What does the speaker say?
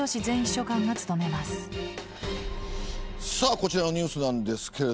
こちらのニュースですが。